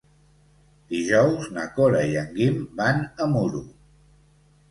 Dijous na Cora i en Guim van a Muro.